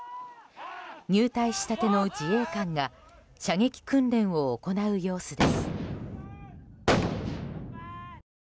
入隊したての自衛官が射撃訓練を行う様子です。